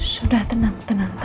sudah tenang tenang